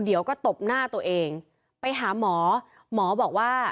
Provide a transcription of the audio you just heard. เดี๋ยวก็ตบหน้าตัวเองไปหาหมอหมอบอกว่า